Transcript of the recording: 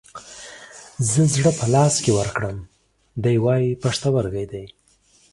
زه زړه په لاس کې ورکړم ، دى واي پښتورگى دى.